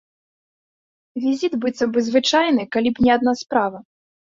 Візіт быццам бы звычайны, калі б не адна справа.